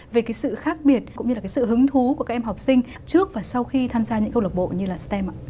về sự khác biệt cũng như sự hứng thú của các em học sinh trước và sau khi tham gia những câu lạc bộ như stem